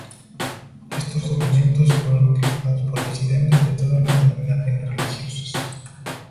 Estos documentos fueron utilizados por disidentes de todas las denominaciones religiosas.